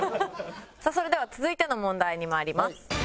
さあそれでは続いての問題にまいります。